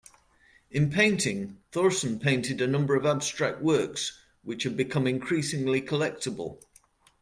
In painting, Thorsen painted a number of abstract works, which have become increasingly collectible.